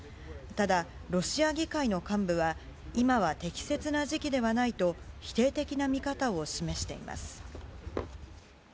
ただ、ロシア議会の幹部は今は適切な時期ではないと否定的な見方を示しています。